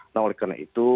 nah oleh karena itu